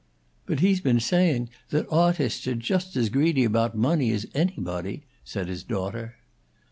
"But he's been saying that awtusts are just as greedy aboat money as anybody," said his daughter.